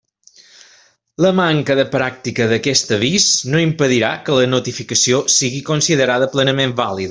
La manca de pràctica d'aquest avís no impedirà que la notificació sigui considerada plenament vàlida.